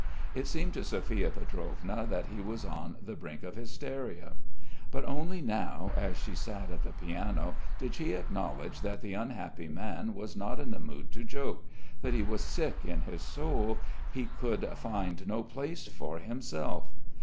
It seemed to Sophia Pietrovna that he was on the brink of hysteria. But only now as she sat at the piano did she acknowledge that the unhappy man was not in the mood to joke, that he was sick in his soul, he could find no place for himself.